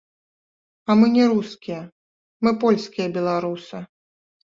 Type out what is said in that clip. А мы не рускія, мы польскія беларусы.